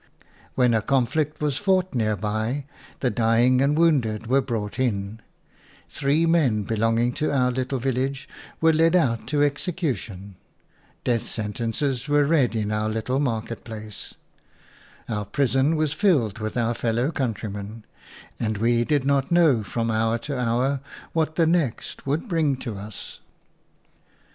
When a conflict was fought near by, the dying and wounded were brought in ; three men belonging to our little village were led out to execution; death sentences were read in our little market place; our prison was filled with our fellow countrymen; and we did not know from hour to hour what the next would bring to us.